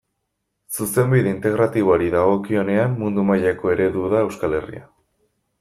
Zuzenbide Integratiboari dagokionean mundu mailako eredu da Euskal Herria.